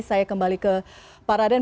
saya kembali ke pak raden